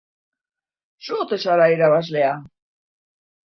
Zu ote zara irabazlea?